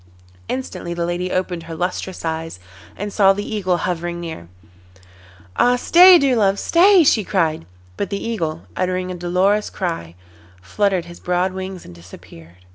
Instantly the lady opened her lustrous eyes, and saw the Eagle hovering near. 'Ah! stay, dear love, stay,' she cried. But the Eagle, uttering a dolorous cry, fluttered his broad wings and disappeared.